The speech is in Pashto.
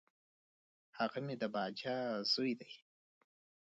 هغه مي د باجه زوی دی .